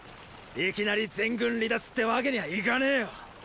いきなり全軍離脱ってわけにはいかねぇよ。